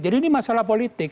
jadi ini masalah politik